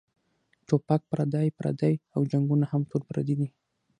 ټوپک پردے پردے او هم جنګــــونه ټول پردي دي